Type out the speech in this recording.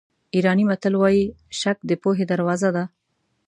ایراني متل وایي شک د پوهې دروازه ده.